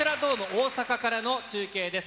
大阪からの中継です。